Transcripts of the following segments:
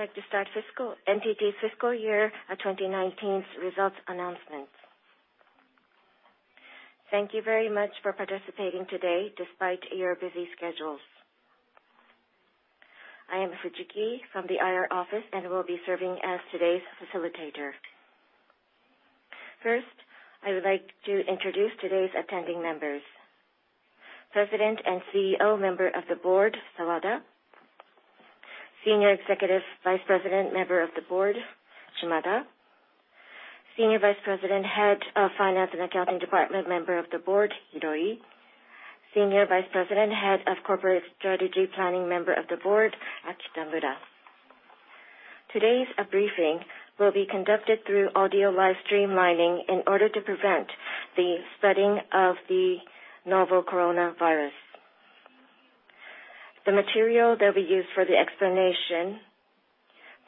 I'd like to start NTT's fiscal year 2019 results announcement. Thank you very much for participating today despite your busy schedules. I am Fujiki from the IR office and will be serving as today's facilitator. First, I would like to introduce today's attending members. President and CEO, member of the Board, Sawada. Senior Executive Vice President, member of the Board, Shimada. Senior Vice President, Head of Finance and Accounting Department, member of the Board, Hiroi. Senior Vice President, Head of Corporate Strategy Planning, member of the Board, Kitamura. Today's briefing will be conducted through audio live streaming in order to prevent the spreading of the novel coronavirus. The material that we use for the explanation,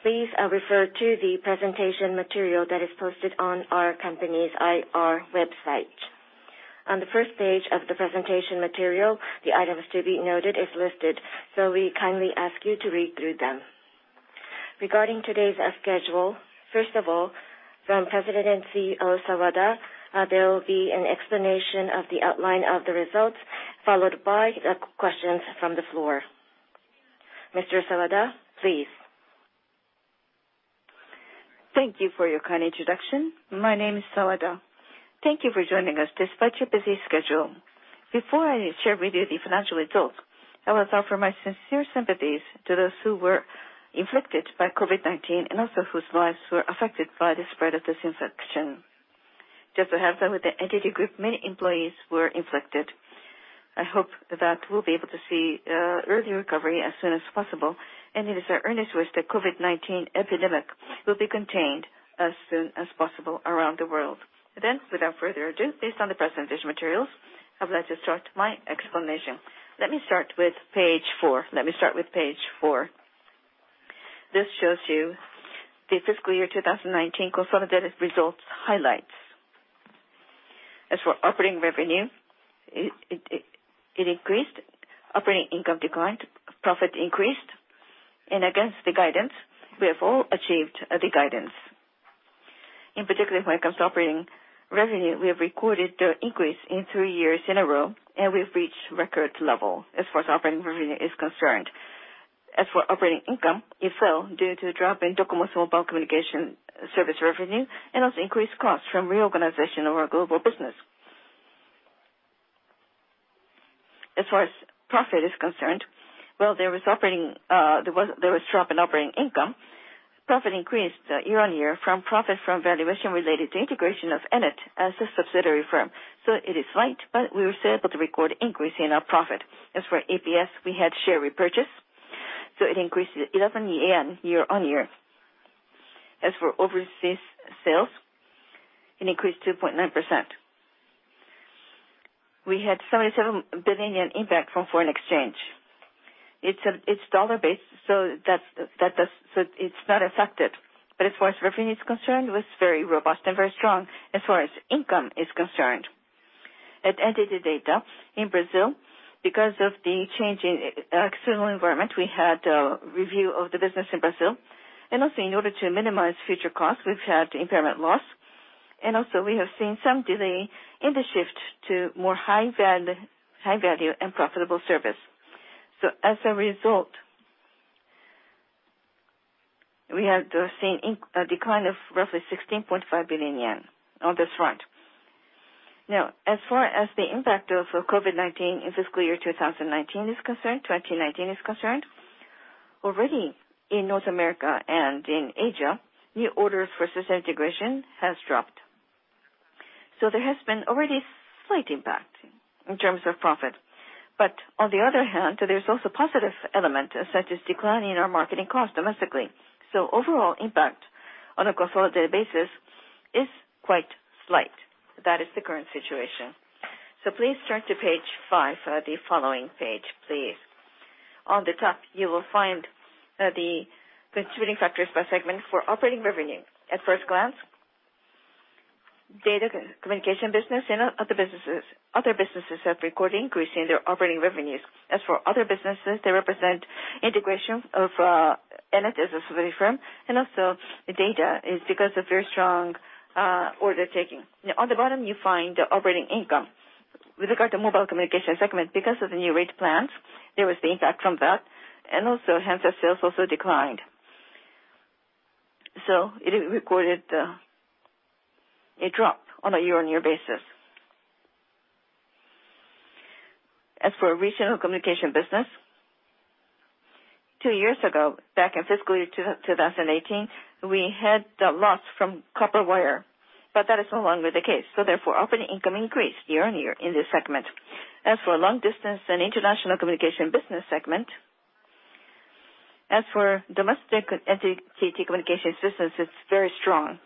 please refer to the presentation material that is posted on our company's IR website. On the first page of the presentation material, the items to be noted is listed, so we kindly ask you to read through them. Regarding today's schedule, first of all, from President and CEO Sawada, there will be an explanation of the outline of the results, followed by the questions from the floor. Mr. Sawada, please. Thank you for your kind introduction. My name is Sawada. Thank you for joining us despite your busy schedule. Before I share with you the financial results, I want to offer my sincere sympathies to those who were inflicted by COVID-19 and also whose lives were affected by the spread of this infection. Just to have them with the NTT Group, many employees were inflicted. I hope that we'll be able to see early recovery as soon as possible. It is our earnest wish that COVID-19 epidemic will be contained as soon as possible around the world. Without further ado, based on the presentation materials, I would like to start my explanation. Let me start with page four. This shows you the fiscal year 2019 consolidated results highlights. As for operating revenue, it increased. Operating income declined, profit increased. Against the guidance, we have all achieved the guidance. In particular, when it comes to operating revenue, we have recorded the increase in 3 years in a row, and we've reached record level as far as operating revenue is concerned. As for operating income, it fell due to drop in NTT DOCOMO mobile communication service revenue, and also increased costs from reorganization of our global business. As far as profit is concerned, well, there was drop in operating income. Profit increased year-over-year from profit from valuation related to integration of Ennet as a subsidiary firm. It is right, but we were still able to record increase in our profit. As for EPS, we had share repurchase, so it increased JPY 11 year-over-year. As for overseas sales, it increased 2.9%. We had 77 billion yen impact from foreign exchange. It's dollar based, so it's not affected. As far as revenue is concerned, it was very robust and very strong as far as income is concerned. At NTT DATA in Brazil, because of the change in external environment, we had a review of the business in Brazil. In order to minimize future costs, we've had impairment loss. We have seen some delay in the shift to more high-value and profitable service. As a result, we have seen a decline of roughly 16.5 billion yen on this front. Now, as far as the impact of COVID-19 in fiscal year 2019 is concerned, already in North America and in Asia, new orders for system integration has dropped. There has been already slight impact in terms of profit. On the other hand, there's also positive element, such as decline in our marketing cost domestically. Overall impact on a consolidated basis is quite slight. That is the current situation. Please turn to page five, the following page, please. On the top, you will find the contributing factors by segment for operating revenue. At first glance, data communication business and other businesses have recorded increase in their operating revenues. Other businesses, they represent integration of Ennet as a subsidiary firm, and also data is because of very strong order taking. On the bottom, you find operating income. With regard to mobile communication segment, because of the new rate plans, there was the impact from that, and also handset sales also declined. It recorded a drop on a year-on-year basis. Regional communication business, two years ago, back in fiscal year 2018, we had the loss from copper wire, but that is no longer the case. Therefore, operating income increased year-on-year in this segment. Long distance and international communication business segment, as for domestic NTT Communications business, it's very strong.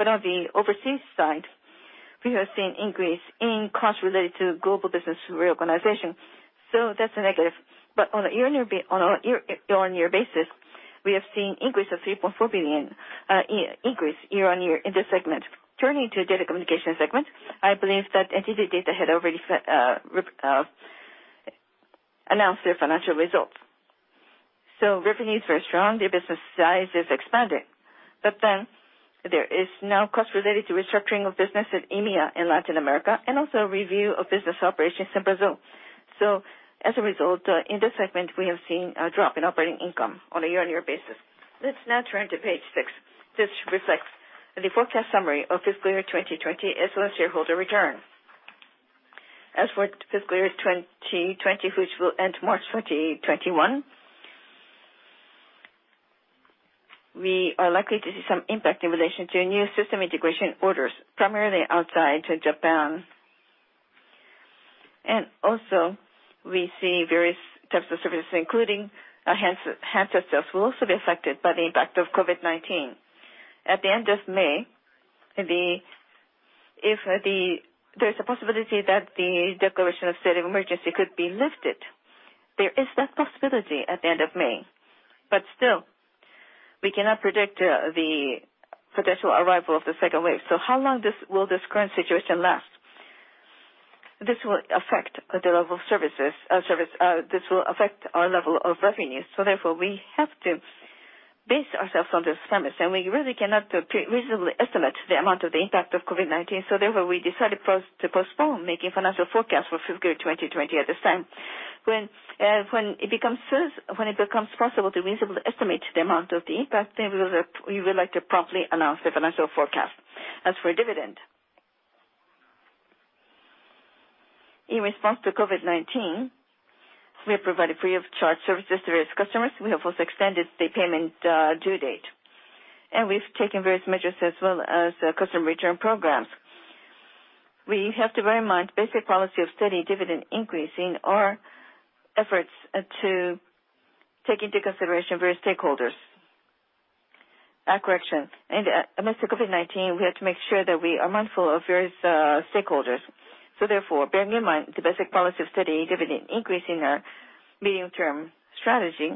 On the overseas side, we have seen increase in costs related to global business reorganization. That's a negative, on a year-on-year basis, we have seen increase of 3.4 billion, increase year-on-year in this segment. Turning to data communication segment, I believe that NTT DATA had already announced their financial results. Revenues were strong, their business size is expanding. There is now cost related to restructuring of business in EMEA and Latin America, and also review of business operations in Brazil. As a result, in this segment, we have seen a drop in operating income on a year-on-year basis. Let's now turn to page six, which reflects the forecast summary of fiscal year 2020, as well as shareholder return. For fiscal year 2020, which will end March 2021, we are likely to see some impact in relation to new system integration orders, primarily outside Japan. Also we see various types of services, including handsets sales, will also be affected by the impact of COVID-19. At the end of May, there's a possibility that the declaration of state of emergency could be lifted. There is that possibility at the end of May, still, we cannot predict the potential arrival of the second wave. How long will this current situation last? This will affect our level of revenues. Therefore, we have to base ourselves on this premise, and we really cannot reasonably estimate the amount of the impact of COVID-19. We decided to postpone making financial forecasts for FY 2020 at this time. When it becomes possible to reasonably estimate the amount of the impact, we would like to promptly announce the financial forecast. As for dividend, in response to COVID-19, we have provided free of charge services to our customers. We have also extended the payment due date. We've taken various measures as well as customer return programs. We have to bear in mind basic policy of steady dividend increase in our efforts to take into consideration various stakeholders. Correction. Amidst the COVID-19, we have to make sure that we are mindful of various stakeholders. Bearing in mind the basic policy of steady dividend increase in our medium-term strategy,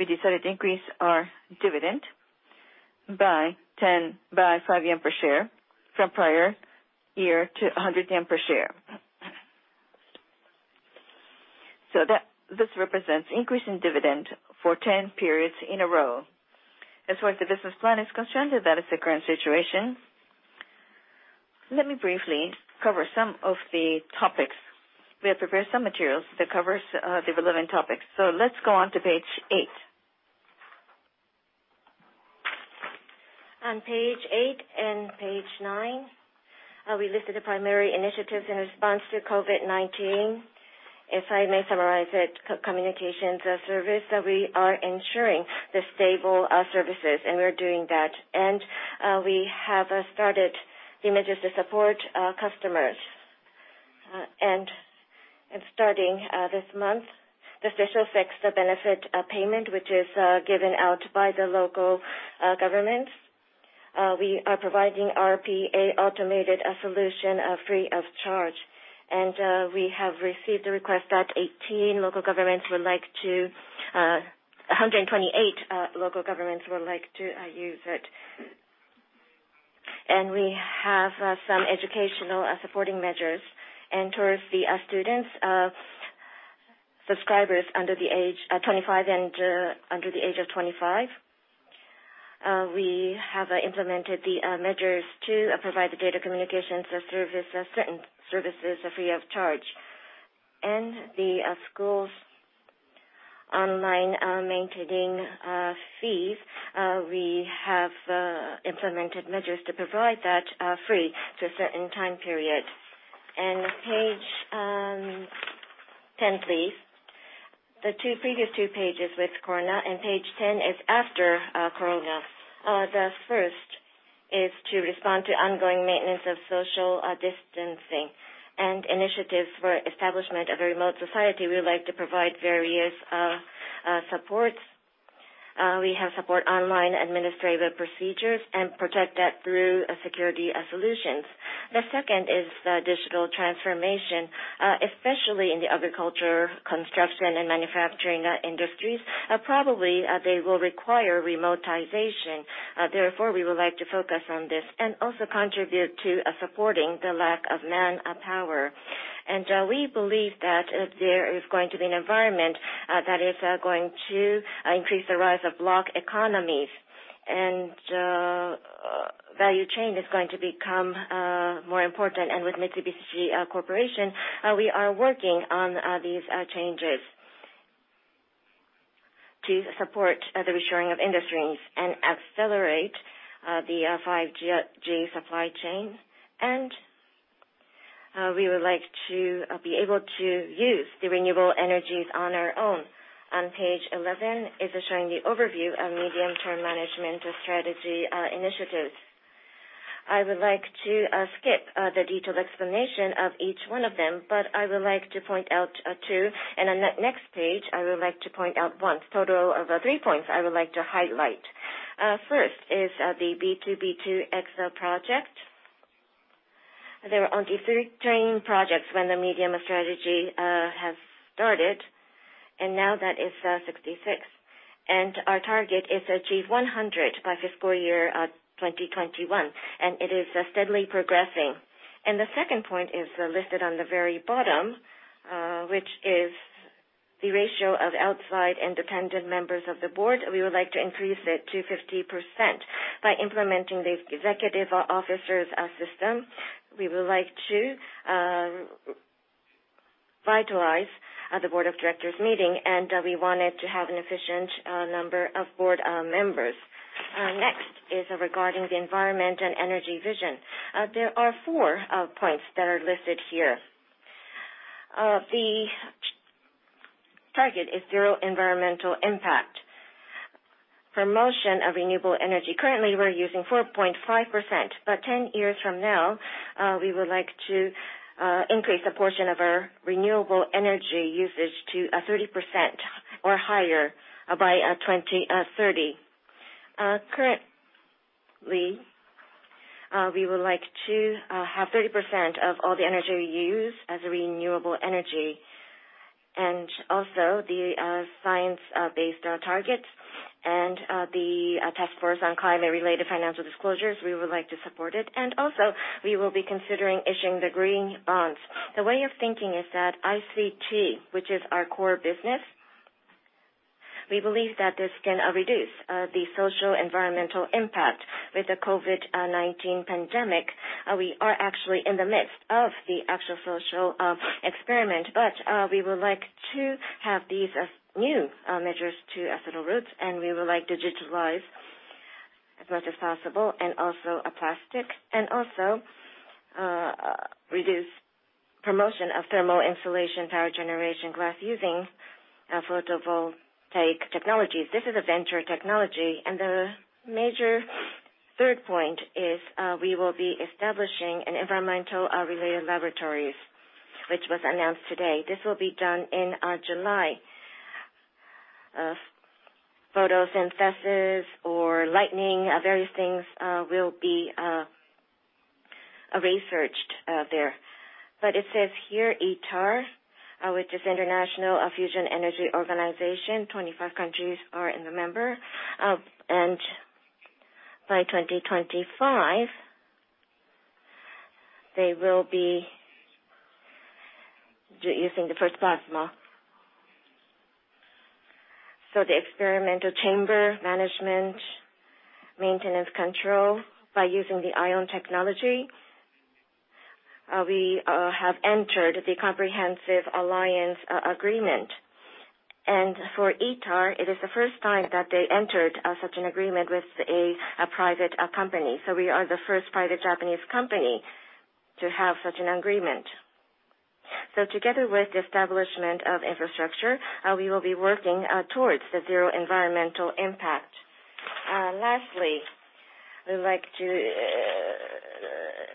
we decided to increase our dividend by 5 yen per share from prior year to 100 yen per share. This represents increase in dividend for 10 periods in a row. As far as the business plan is concerned, that is the current situation. Let me briefly cover some of the topics. We have prepared some materials that covers the relevant topics. Let's go on to page eight. On page eight and page nine, we listed the primary initiatives in response to COVID-19. If I may summarize it, communications service, that we are ensuring the stable services, and we're doing that. We have started the measures to support customers. Starting this month, the special fixed benefit payment, which is given out by the local governments, we are providing RPA automated solution free of charge. We have received a request that 128 local governments would like to use it. We have some educational supporting measures. Towards the students, subscribers under the age of 25, we have implemented the measures to provide the data communications certain services free of charge. The school's online maintaining fees, we have implemented measures to provide that free to a certain time period. Page 10, please. The previous two pages with corona, and page 10 is after corona. The first is to respond to ongoing maintenance of social distancing and initiatives for establishment of a remote society. We would like to provide various supports. We have support online administrative procedures and protect that through security solutions. The second is the digital transformation, especially in the agriculture, construction, and manufacturing industries. Probably, they will require remotization. Therefore, we would like to focus on this and also contribute to supporting the lack of manpower. We believe that there is going to be an environment that is going to increase the rise of block economies, and value chain is going to become more important. With Mitsubishi Corporation, we are working on these changes to support the reshoring of industries and accelerate the 5G supply chain. We would like to be able to use the renewable energies on our own. On page 11, is showing the overview of medium-term management strategy initiatives. I would like to skip the detailed explanation of each one of them, but I would like to point out two, and on the next page, I would like to point out one. Total of three points I would like to highlight. First is the B2B2X project. There were only 13 projects when the medium strategy has started, and now that is 66. Our target is achieve 100 by fiscal year 2021, and it is steadily progressing. The second point is listed on the very bottom, which is the ratio of outside independent members of the board. We would like to increase it to 50%. By implementing the executive officers system, we would like to vitalize the board of directors meeting, and we wanted to have an efficient number of board members. Next is regarding the environment and energy vision. There are four points that are listed here. The target is zero environmental impact. Promotion of renewable energy. Currently, we're using 4.5%, but 10 years from now, we would like to increase the portion of our renewable energy usage to 30% or higher by 2030. Currently, we would like to have 30% of all the energy we use as renewable energy, and also the science-based targets and the Task Force on Climate-related Financial Disclosures, we would like to support it. Also, we will be considering issuing the green bonds. The way of thinking is that ICT, which is our core business, we believe that this can reduce the social environmental impact. With the COVID-19 pandemic, we are actually in the midst of the actual social experiment. We would like to have these as new measures to digitalization initiatives and we would like to digitalize as much as possible and also plastic, and also reduce promotion of thermal insulation power generation glass using photovoltaic technologies. This is a venture technology. The major third point is we will be establishing an environmental-related laboratories, which was announced today. This will be done in July. Photosynthesis or lighting, various things will be researched there. It says here, ITER, which is International Thermonuclear Experimental Reactor, 25 countries are in the member. By 2025, they will be using the first plasma. The experimental chamber management, maintenance control by using the ion technology. We have entered the comprehensive alliance agreement. For ITER, it is the first time that they entered such an agreement with a private company. We are the first private Japanese company to have such an agreement. Together with the establishment of infrastructure, we will be working towards the zero environmental impact. Lastly, we would like to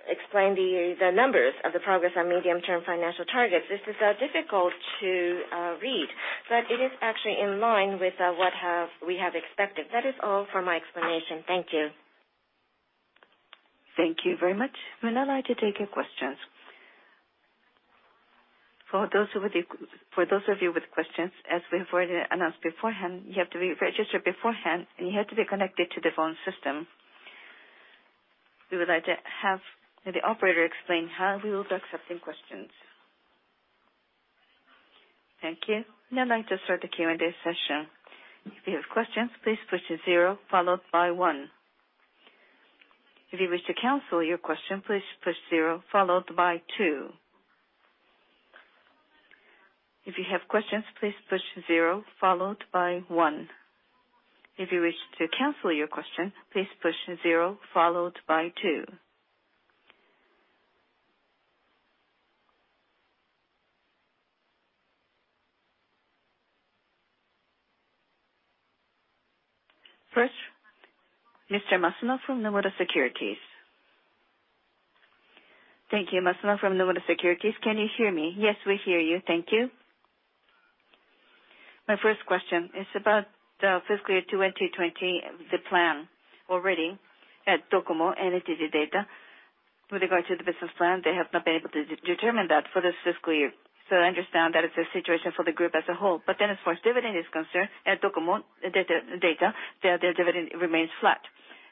explain the numbers of the progress on medium-term financial targets. This is difficult to read, but it is actually in line with what we have expected. That is all for my explanation. Thank you. Thank you very much. We would now like to take your questions. For those of you with questions, as we've already announced beforehand, you have to be registered beforehand, and you have to be connected to the phone system. We would like to have the operator explain how we will be accepting questions. Thank you. We would like to start the Q&A session. If you have questions, please push zero followed by one. If you wish to cancel your question, please push zero followed by two. If you have questions, please push zero followed by one. If you wish to cancel your question, please push zero followed by two. Mr. Masuno from Nomura Securities. Thank you. Masuno from Nomura Securities. Can you hear me? Yes, we hear you. Thank you. My first question is about the fiscal year 2020, the plan already at DOCOMO and NTT DATA. With regard to the business plan, they have not been able to determine that for this fiscal year. I understand that it's a situation for the group as a whole. As far as dividend is concerned, at DOCOMO, DATA, their dividend remains flat.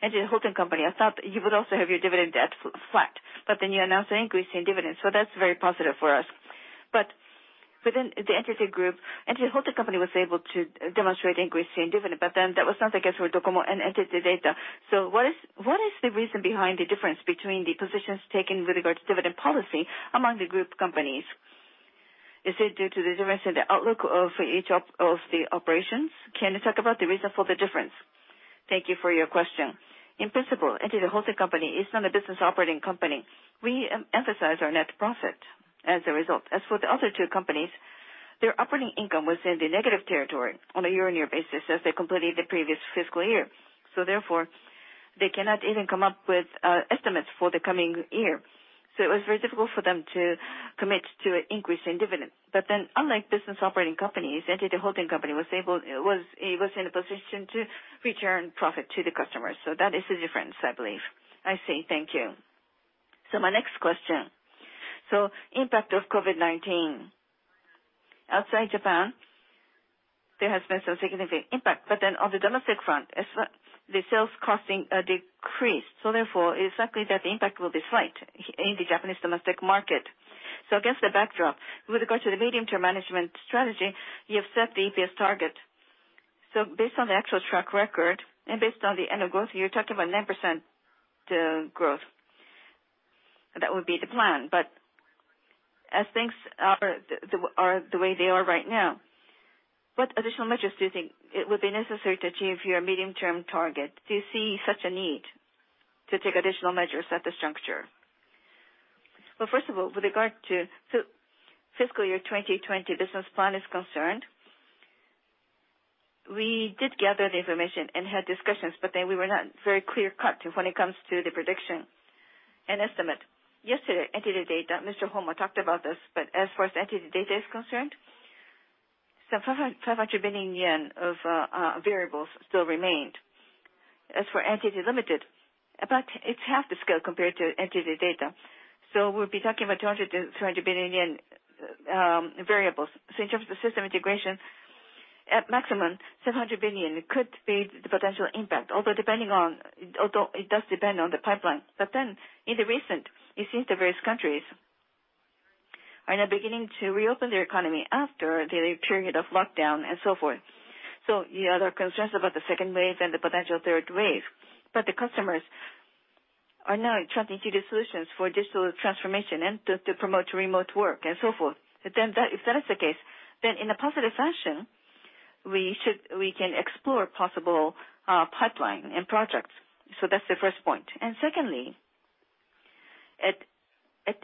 NTT Holding Company, I thought you would also have your dividend at flat, you announced an increase in dividend, that's very positive for us. Within the NTT Group, NTT Holding Company was able to demonstrate increase in dividend, that was not the case for DOCOMO and NTT DATA. What is the reason behind the difference between the positions taken with regard to dividend policy among the group companies? Is it due to the difference in the outlook of each of the operations? Can you talk about the reason for the difference? Thank you for your question. In principle, NTT Holding Company is not a business operating company. We emphasize our net profit as a result. As for the other two companies, their operating income was in the negative territory on a year-on-year basis as they completed the previous fiscal year. They cannot even come up with estimates for the coming year. It was very difficult for them to commit to an increase in dividend. Unlike business operating companies, NTT Holding Company was in a position to return profit to the customers. That is the difference, I believe. I see. Thank you. My next question. Impact of COVID-19. Outside Japan, there has been some significant impact. On the domestic front, the sales costing decreased. Therefore, it's likely that the impact will be slight in the Japanese domestic market. Against the backdrop, with regard to the medium-term management strategy, you have set the EPS target. Based on the actual track record and based on the annual growth, you're talking about 9% growth. That would be the plan. As things are the way they are right now, what additional measures do you think would be necessary to achieve your medium-term target? Do you see such a need to take additional measures at this juncture? Well, first of all, with regard to FY 2020 business plan is concerned, we did gather the information and had discussions, we were not very clear-cut when it comes to the prediction and estimate. Yesterday, NTT DATA, Mr. Honma talked about this, as far as NTT DATA is concerned, some 500 billion yen of variables still remained. As for NTT Ltd., about its half the scale compared to NTT DATA. We'll be talking about 200 billion-300 billion yen in variables. In terms of system integration, at maximum, 700 billion could be the potential impact, although it does depend on the pipeline. In recent, it seems the various countries are now beginning to reopen their economy after the period of lockdown and so forth. There are concerns about the second wave and the potential third wave. The customers are now trusting to the solutions for digital transformation and to promote remote work and so forth. If that is the case, then in a positive fashion, we can explore possible pipeline and projects. That's the first point. Secondly, at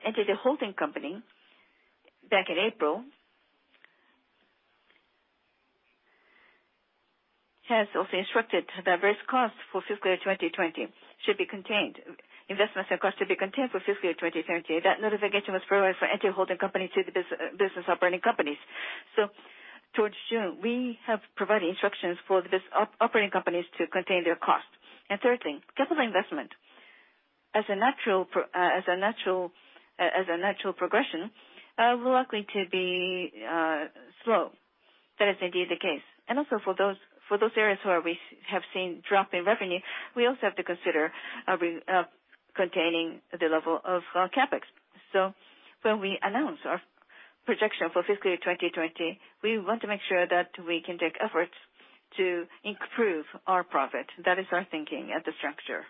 NTT Holding Company, back in April, has also instructed that various costs for fiscal year 2020 should be contained. Investments and costs should be contained for fiscal year 2020. That notification was provided for NTT Holding Company to the business operating companies. Towards June, we have provided instructions for the operating companies to contain their costs. Third thing, capital investment, as a natural progression, will likely to be slow. That is indeed the case. Also for those areas where we have seen drop in revenue, we also have to consider containing the level of our CapEx. When we announce our projection for fiscal year 2020, we want to make sure that we can take efforts to improve our profit. That is our thinking at the structure.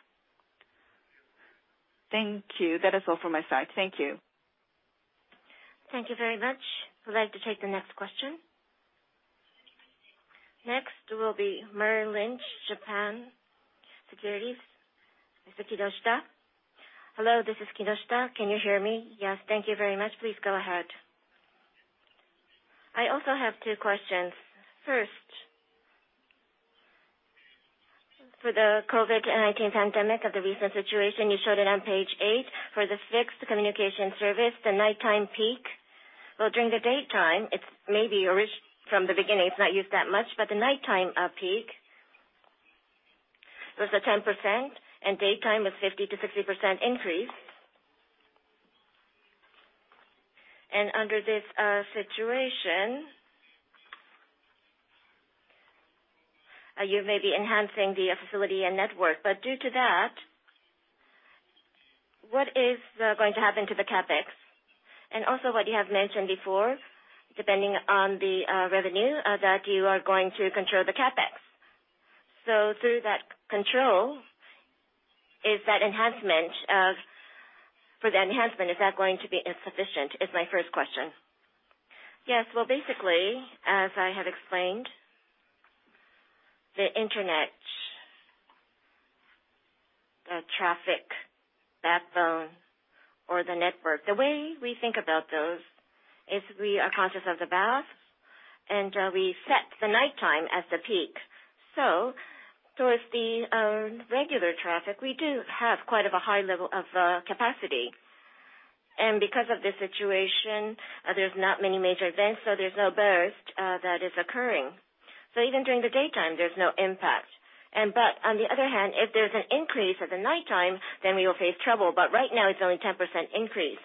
Thank you. That is all from my side. Thank you. Thank you very much. We'd like to take the next question. Next will be Merrill Lynch Japan Securities, Mr. Kinoshita. Hello, this is Kinoshita. Can you hear me? Yes, thank you very much. Please go ahead. I also have two questions. First, for the COVID-19 pandemic of the recent situation, you showed it on page eight for the fixed communication service, the nighttime peak. Well, during the daytime, it's maybe from the beginning, it's not used that much, but the nighttime peak was at 10%, and daytime was 50%-60% increase. Under this situation, you may be enhancing the facility and network, but due to that, what is going to happen to the CapEx? Also what you have mentioned before, depending on the revenue, that you are going to control the CapEx. Through that control, for the enhancement, is that going to be insufficient, is my first question? Yes. Well, basically, as I have explained, the internet traffic backbone or the network, the way we think about those is we are conscious of the load. We set the nighttime as the peak. Towards the regular traffic, we do have quite a high level of capacity. Because of the situation, there's not many major events. There's no burst that is occurring. Even during the daytime, there's no impact. On the other hand, if there's an increase at the nighttime, we will face trouble. Right now, it's only 10% increase.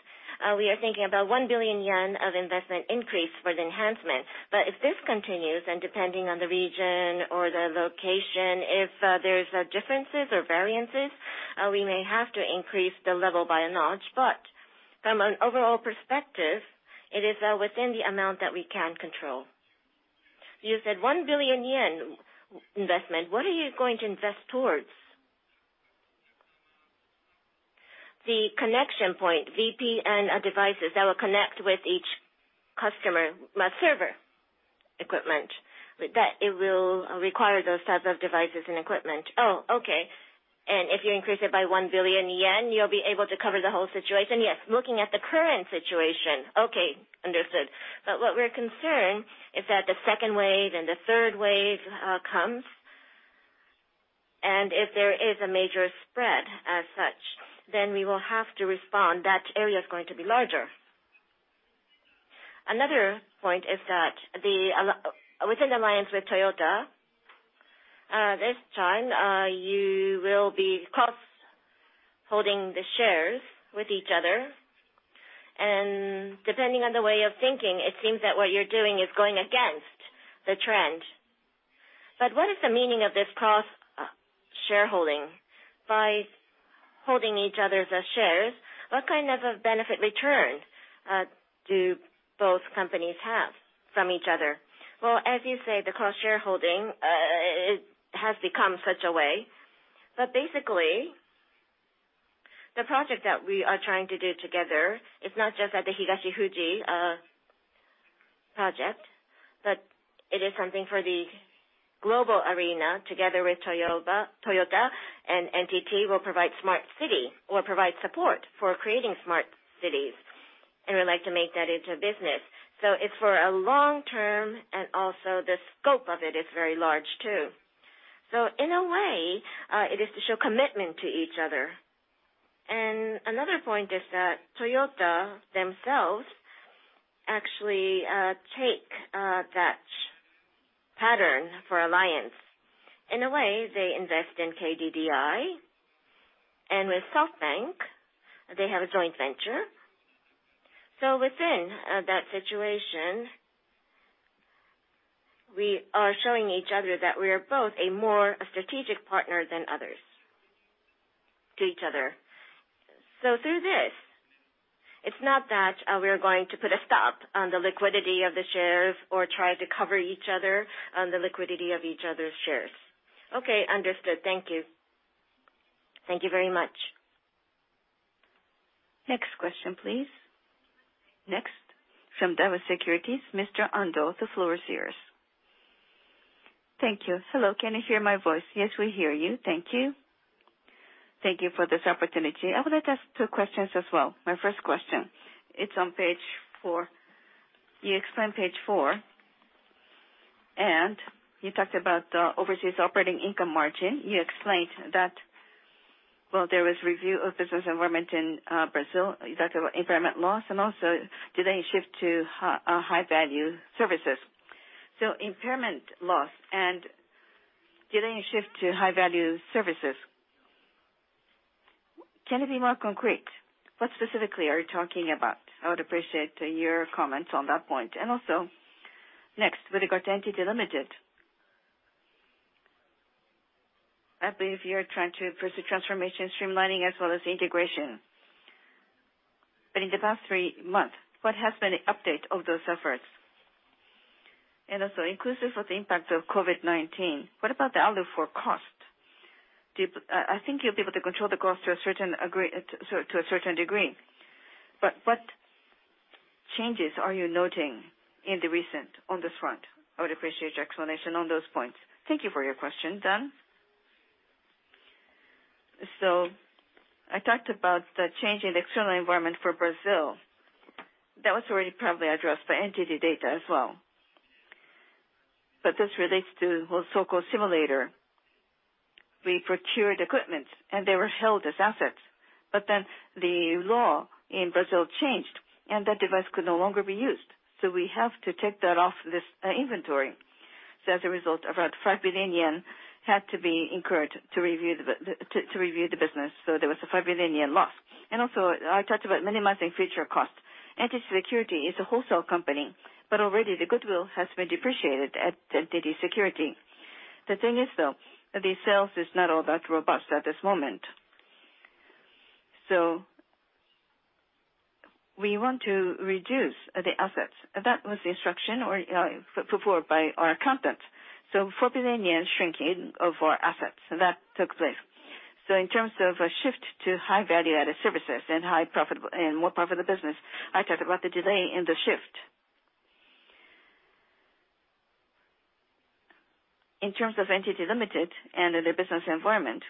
We are thinking about 1 billion yen of investment increase for the enhancement. If this continues, depending on the region or the location, if there are differences or variances, we may have to increase the level by a notch. From an overall perspective, it is within the amount that we can control. You said 1 billion yen investment. What are you going to invest towards? The connection point, VPN devices that will connect with each customer server equipment. It will require those types of devices and equipment. Oh, okay. If you increase it by 1 billion yen, you'll be able to cover the whole situation? Yes. Looking at the current situation. Okay. Understood. What we're concerned is that the second wave and the third wave comes, and if there is a major spread as such, then we will have to respond. That area is going to be larger. Another point is that within alliance with Toyota. This time, you will be cross-holding the shares with each other. Depending on the way of thinking, it seems that what you're doing is going against the trend. What is the meaning of this cross-shareholding? By holding each other's shares, what kind of benefit return do both companies have from each other? Well, as you say, the cross-shareholding has become such a way. Basically, the project that we are trying to do together is not just at the Higashi-Fuji project, but it is something for the global arena. Together with Toyota and NTT, we'll provide smart city or provide support for creating smart cities, and we'd like to make that into a business. It's for a long term, and also the scope of it is very large, too. In a way, it is to show commitment to each other. Another point is that Toyota themselves actually take that pattern for alliance. In a way, they invest in KDDI, and with SoftBank, they have a joint venture. Within that situation, we are showing each other that we are both a more strategic partner than others to each other. Through this, it's not that we are going to put a stop on the liquidity of the shares or try to cover each other on the liquidity of each other's shares. Okay, understood. Thank you. Thank you very much. Next question, please. Next, from Daiwa Securities, Mr. Ando. The floor is yours. Thank you. Hello, can you hear my voice? Yes, we hear you. Thank you. Thank you for this opportunity. I would like to ask two questions as well. My first question, it's on page four. You explained page four, you talked about the overseas operating income margin. You explained that there was review of business environment in Brazil. You talked about impairment loss, also delay in shift to high-value services. Impairment loss and delay in shift to high-value services. Can it be more concrete? What specifically are you talking about? I would appreciate your comments on that point. Also, next, with regard to NTT Limited. I believe you are trying to pursue transformation, streamlining, as well as integration. In the past three months, what has been the update of those efforts? Also, inclusive of the impact of COVID-19, what about the outlook for cost? I think you'll be able to control the cost to a certain degree, what changes are you noting in the recent on this front? I would appreciate your explanation on those points. Thank you for your question, [Dan]. I talked about the change in the external environment for Brazil. That was already probably addressed by NTT DATA as well. This relates to the so-called simulator. We procured equipment, and they were held as assets. The law in Brazil changed, and that device could no longer be used. We have to take that off this inventory. As a result, around 5 billion yen had to be incurred to review the business. There was a ¥5 billion loss. I talked about minimizing future costs. NTT Security is a wholesale company, already the goodwill has been depreciated at NTT Security. The sales is not all that robust at this moment. We want to reduce the assets. That was the instruction put forward by our accountants. ¥4 billion shrinking of our assets, that took place. In terms of a shift to high value-added services and more profitable business, I talked about the delay in the shift. In terms of NTT Ltd. and their business environment,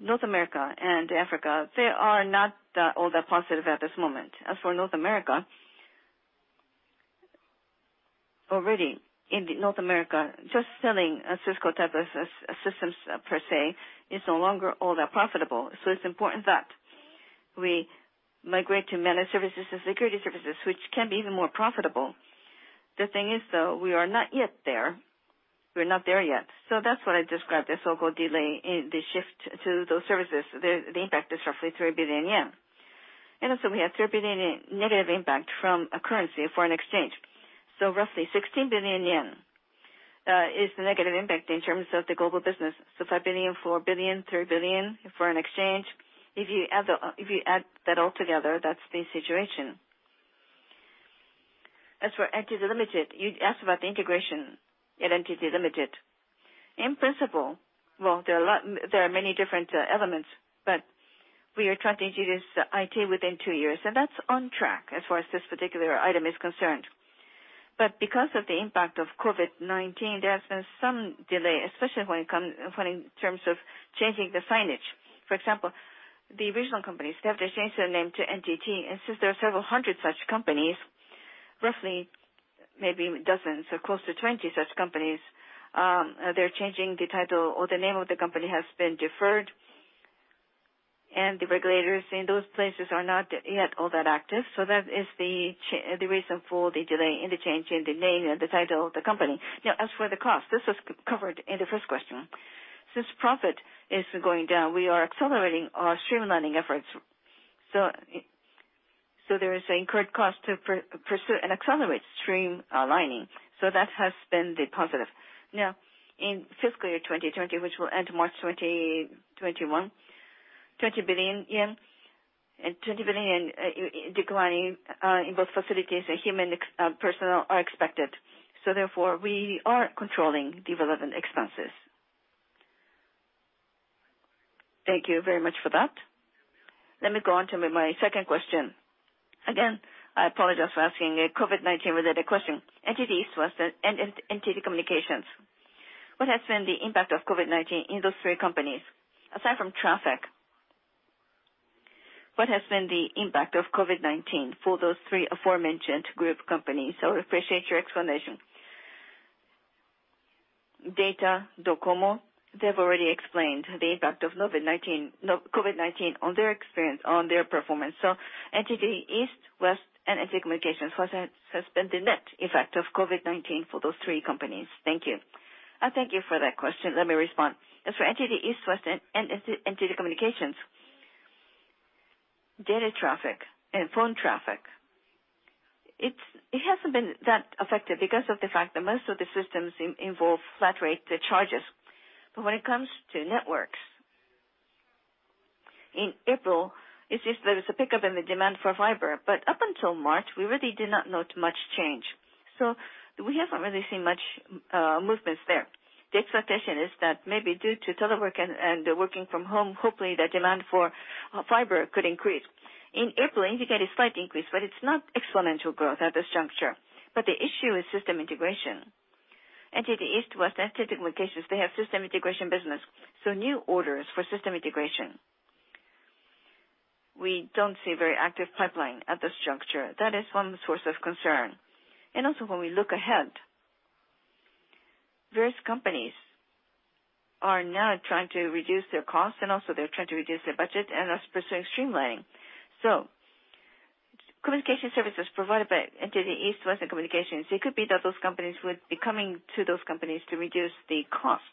North America and Africa, they are not all that positive at this moment. As for North America, already in North America, just selling Cisco type of systems per se is no longer all that profitable. It's important that we migrate to managed services and security services, which can be even more profitable. The thing is, though, we are not there yet. That's why I described the so-called delay in the shift to those services. The impact is roughly 3 billion yen. Also, we had 3 billion yen negative impact from a currency, foreign exchange. Roughly 16 billion yen is the negative impact in terms of the global business. 5 billion, 4 billion, 3 billion foreign exchange. If you add that all together, that's the situation. As for NTT Limited, you asked about the integration at NTT Limited. In principle, there are many different elements, but we are trying to introduce IT within two years, and that's on track as far as this particular item is concerned. Because of the impact of COVID-19, there has been some delay, especially in terms of changing the signage. For example, the original companies, they have to change their name to NTT. Since there are several hundred such companies, roughly maybe dozens or close to 20 such companies, they're changing the title or the name of the company has been deferred. The regulators in those places are not yet all that active. That is the reason for the delay in the change in the name and the title of the company. Now, as for the cost, this was covered in the first question. Since profit is going down, we are accelerating our streamlining efforts. There is an incurred cost to pursue and accelerate streamlining. That has been the positive. In fiscal year 2020, which will end March 2021, 20 billion yen decline in both facilities and human personnel are expected. Therefore, we are controlling development expenses. Thank you very much for that. Let me go on to my second question. Again, I apologize for asking a COVID-19 related question. NTT East, West, and NTT Communications. What has been the impact of COVID-19 in those three companies, aside from traffic? What has been the impact of COVID-19 for those three aforementioned group companies? I would appreciate your explanation. Data, DOCOMO, they've already explained the impact of COVID-19 on their experience, on their performance. NTT East, West, and NTT Communications, what has been the net effect of COVID-19 for those three companies? Thank you. Thank you for that question. Let me respond. As for NTT East, West, and NTT Communications, data traffic and phone traffic, it hasn't been that affected because of the fact that most of the systems involve flat rate charges. When it comes to networks, in April, there was a pickup in the demand for fiber. Up until March, we really did not note much change. We haven't really seen much movements there. The expectation is that maybe due to telework and working from home, hopefully the demand for fiber could increase. In April, indicated slight increase, but it's not exponential growth at this juncture. The issue is system integration. NTT East, West, and NTT Communications, they have system integration business. New orders for system integration, we don't see very active pipeline at this juncture. That is one source of concern. When we look ahead, various companies are now trying to reduce their costs and also they're trying to reduce their budget and are pursuing streamlining. Communication services provided by NTT East, West, and Communications, it could be that those companies would be coming to those companies to reduce the cost.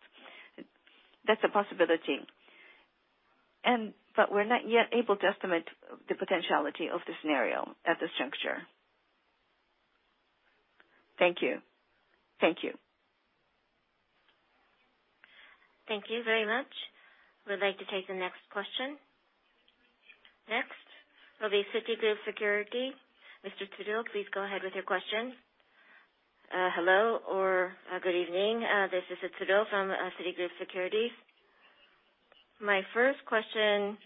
That's a possibility. We're not yet able to estimate the potentiality of the scenario at this juncture. Thank you. Thank you. Thank you very much. We'd like to take the next question. Next will be Citigroup Securities. Mr. Tsuruo, please go ahead with your question. Hello, or good evening. This is Tsuruo from Citigroup Securities. My first question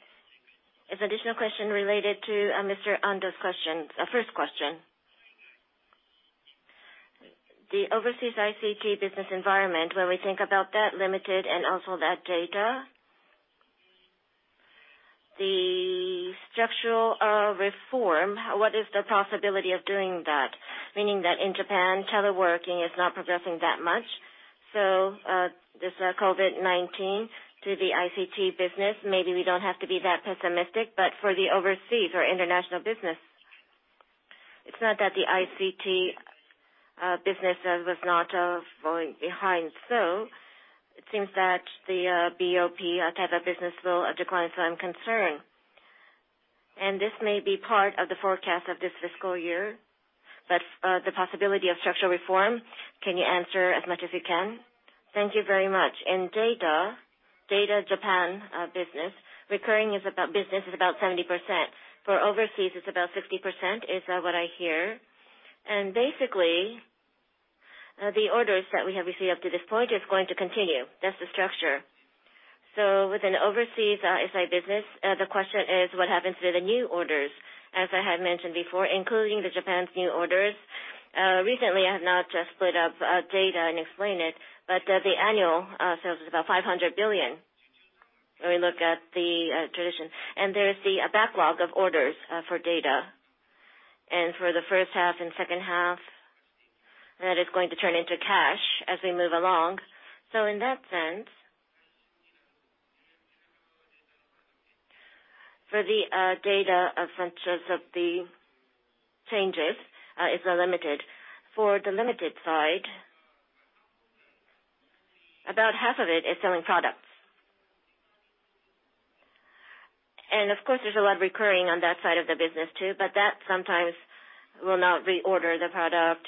is additional question related to Mr. Ando’s first question. The overseas ICT business environment, when we think about NTT Limited and also NTT DATA, the structural reform, what is the possibility of doing that? Meaning that in Japan, teleworking is not progressing that much. This COVID-19 to the ICT business, maybe we don't have to be that pessimistic, but for the overseas or international business, it's not that the ICT business was not going behind. It seems that the BPO type of business will decline, so I'm concerned. This may be part of the forecast of this fiscal year, but the possibility of structural reform, can you answer as much as you can? Thank you very much. In NTT DATA Japan business, recurring business is about 70%. For overseas, it's about 60%, is what I hear. Basically, the orders that we have received up to this point is going to continue. That's the structure. With an overseas SI business, the question is what happens to the new orders? As I have mentioned before, including the Japan's new orders, recently, I have not split up NTT DATA and explained it, but the annual sales is about 500 billion, when we look at the tradition. There is the backlog of orders for NTT DATA. For the first half and second half, that is going to turn into cash as we move along. In that sense, for the NTT DATA functions of the changes is unlimited. For the limited side, about half of it is selling products. Of course, there's a lot of recurring on that side of the business too, but that sometimes will not reorder the product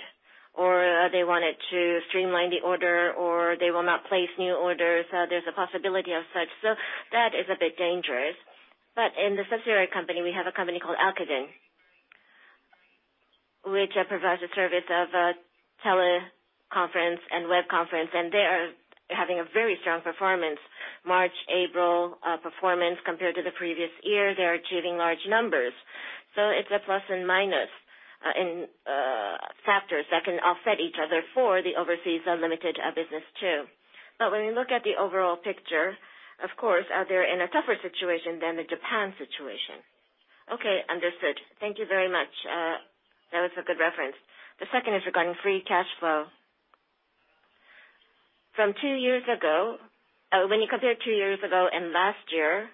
or they wanted to streamline the order or they will not place new orders. There's a possibility of such. That is a bit dangerous. In the subsidiary company, we have a company called Arkadin, which provides a service of a teleconference and web conference, and they are having a very strong performance. March, April performance compared to the previous year, they're achieving large numbers. It's a plus and minus in factors that can offset each other for the overseas NTT Limited business too. When we look at the overall picture, of course, they're in a tougher situation than the Japan situation. Okay, understood. Thank you very much. That was a good reference. The second is regarding free cash flow. From two years ago, when you compare two years ago and last year,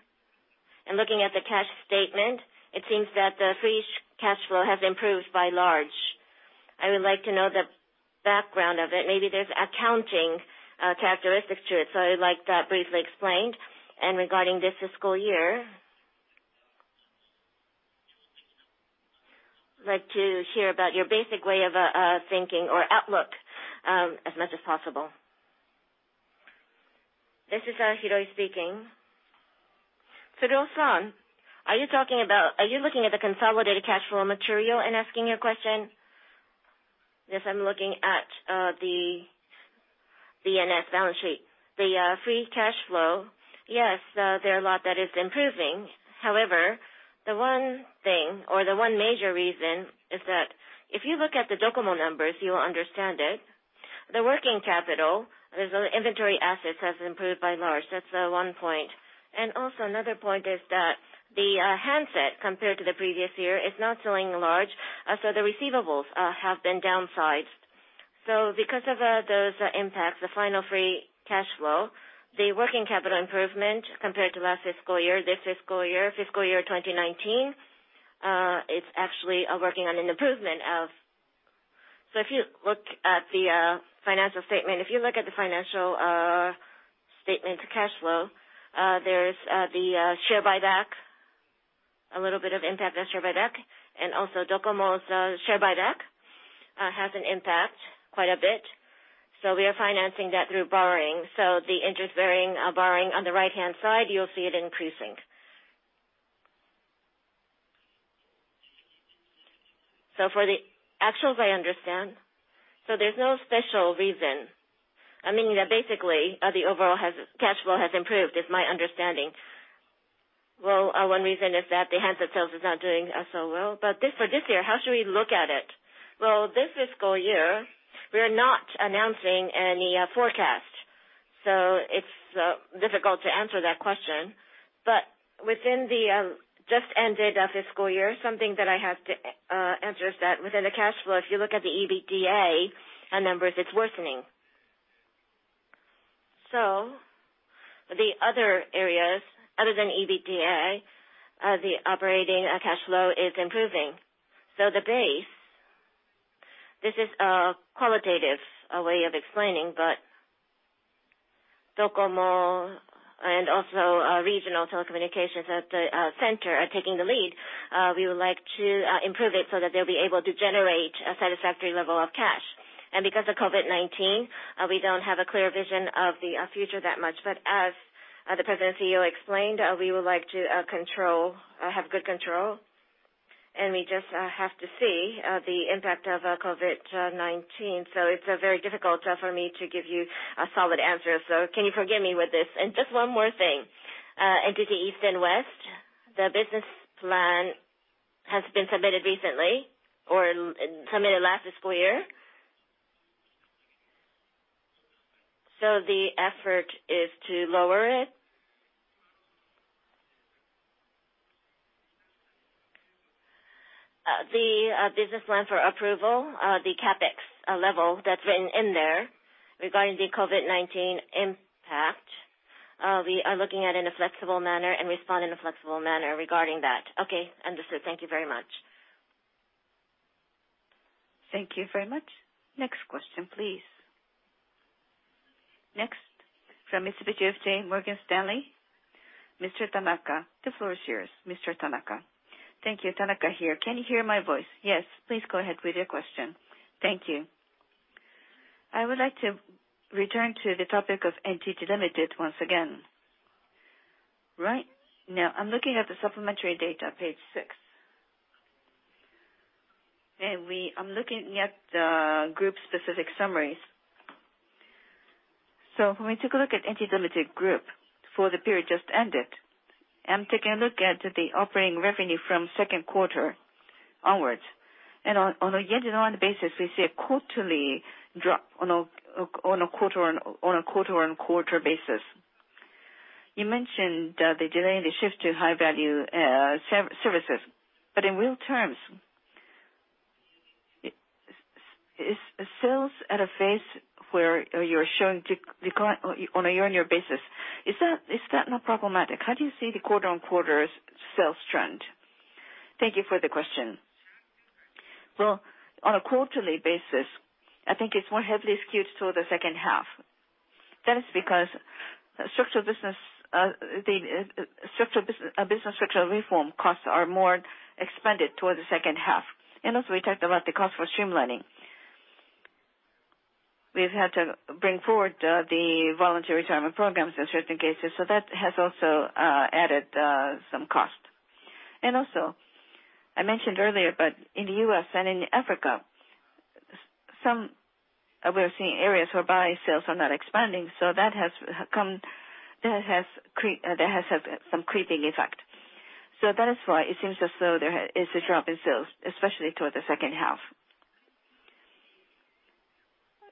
and looking at the cash statement, it seems that the free cash flow has improved by large. I would like to know the background of it. Maybe there's accounting characteristics to it. I would like that briefly explained, and regarding this fiscal year. I'd like to hear about your basic way of thinking or outlook, as much as possible. This is Hiroi speaking. Tsuruo-san, are you looking at the consolidated cash flow material and asking your question? Yes, I'm looking at the B/S balance sheet. The free cash flow. Yes, there are a lot that is improving. However, the one thing, or the one major reason is that if you look at the DOCOMO numbers, you will understand it. The working capital, the inventory assets has improved by and large. That's one point. Another point is that the handset compared to the previous year is not selling large, so the receivables have been downsized. Because of those impacts, the final free cash flow, the working capital improvement compared to last fiscal year, this fiscal year, fiscal year 2019, it's actually working on an improvement. If you look at the financial statement to cash flow, there's the share buyback, a little bit of impact on share buyback, and also DOCOMO's share buyback has an impact, quite a bit. We are financing that through borrowing. The interest-bearing borrowing on the right-hand side, you'll see it increasing. For the actuals, I understand. There's no special reason. I mean, basically, the overall cash flow has improved, is my understanding. One reason is that the handset sales is not doing so well. For this year, how should we look at it? This fiscal year, we are not announcing any forecast. It's difficult to answer that question. Within the just ended fiscal year, something that I have to answer is that within the cash flow, if you look at the EBITDA numbers, it's worsening. The other areas other than EBITDA, the operating cash flow is improving. The base, this is a qualitative way of explaining, but DOCOMO and also regional telecommunications at the center are taking the lead. We would like to improve it so that they'll be able to generate a satisfactory level of cash. Because of COVID-19, we don't have a clear vision of the future that much. As the President CEO explained, we would like to have good control, and we just have to see the impact of COVID-19. It's very difficult for me to give you a solid answer. Can you forgive me with this? Just one more thing. NTT East and West, the business plan has been submitted recently or submitted last fiscal year? The effort is to lower it? The business plan for approval, the CapEx level that's written in there regarding the COVID-19 impact, we are looking at in a flexible manner and respond in a flexible manner regarding that. Okay, understood. Thank you very much. Thank you very much. Next question, please. Next, from Mitsubishi UFJ Morgan Stanley, Mr. Tanaka. The floor is yours, Mr. Tanaka. Thank you. Tanaka here. Can you hear my voice? Yes. Please go ahead with your question. Thank you. I would like to return to the topic of NTT Limited once again. Right. I'm looking at the supplementary data on page six. I'm looking at the Group-specific summaries. When we take a look at NTT Limited Group for the period just ended, I'm taking a look at the operating revenue from second quarter onwards. On a year-to-date basis, we see a quarterly drop on a quarter-on-quarter basis. You mentioned the delay in the shift to high-value services. In real terms, is sales at a phase where you're showing decline on a year-on-year basis? Is that not problematic? How do you see the quarter-on-quarter sales trend? Thank you for the question. Well, on a quarterly basis, I think it's more heavily skewed toward the second half. That is because business structural reform costs are more expanded towards the second half. We talked about the cost for streamlining. We've had to bring forward the voluntary retirement programs in certain cases. That has also added some cost. I mentioned earlier, in the U.S. and in Africa, we're seeing areas whereby sales are not expanding. That has some creeping effect. That is why it seems as though there is a drop in sales, especially towards the second half.